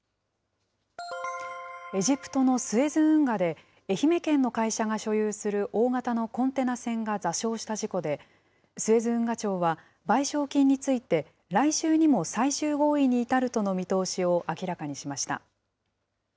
エジプトのスエズ運河で、愛媛県の会社が所有する大型のコンテナ船が座礁した事故で、スエズ運河庁は賠償金について、来週にも最終合意に至るとの見通しを明らかにしました。